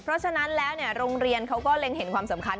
เพราะฉะนั้นแล้วโรงเรียนเขาก็เล็งเห็นความสำคัญ